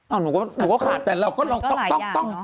อ้าวหนูก็ขาดตัดแต่เราก็ท่อง